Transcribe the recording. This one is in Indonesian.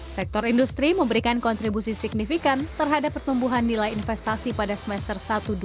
sektor industri memberikan kontribusi signifikan terhadap pertumbuhan nilai investasi pada semester satu dua ribu dua puluh